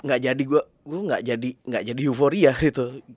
gue gak jadi euforia gitu